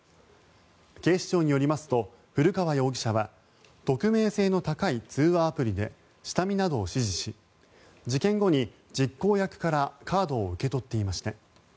警視庁によりますと古川容疑者は匿名性の高い通話アプリで下見などを指示し事件後に実行役からカードを受け取っていました。